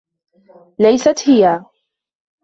ليست هي.